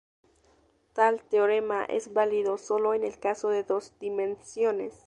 Tal teorema es válido sólo en el caso de dos dimensiones.